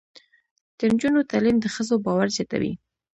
د نجونو تعلیم د ښځو باور زیاتوي.